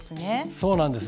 そうなんです。